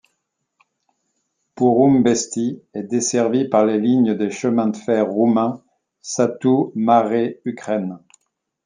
Porumbești est desservie par la ligne des chemins de fer roumains Satu Mare-Ukraine.